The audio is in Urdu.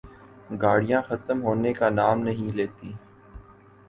گاڑیاں ختم ہونے کا نام نہیں لیتیں۔